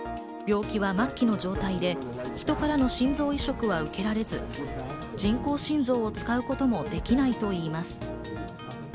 病気は末期の状態で、人からの心臓移植は受けられず、人工心臓も使うこともできないといいます。